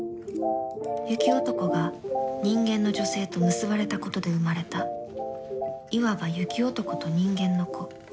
「雪男」が人間の女性と結ばれたことで生まれたいわば「雪男と人間の子」